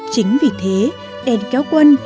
chính vì thế đèn kéo quân